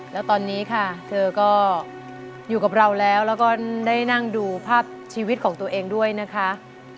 แล้วตอนนี้ค่ะเธอก็อยู่กับเราแล้วแล้วก็ได้นั่งดูภาพชีวิตของตัวเองด้วยนะคะ